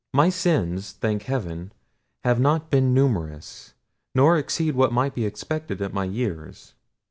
"My sins, thank heaven, have not been numerous; nor exceed what might be expected at my years.